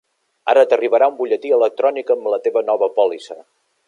Ara t'arribarà un butlletí electrònic amb la teva nova pòlissa.